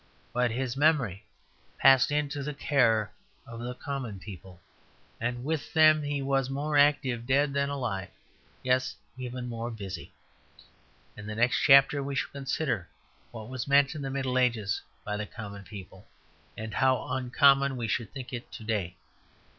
But his memory passed into the care of the common people, and with them he was more active dead than alive yes, even more busy. In the next chapter we shall consider what was meant in the Middle Ages by the common people, and how uncommon we should think it to day.